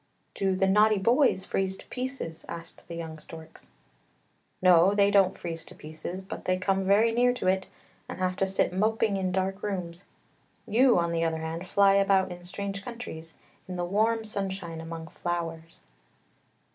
" Do the naughty boys freeze to pieces? " asked the young storks. " No, they don't freeze to pieces, but they come very near to it and have to sit moping in dark rooms; you, on the other hand, fly about in strange countries, in the warm sunshine among flowers."